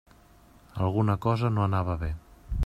Alguna cosa no anava bé.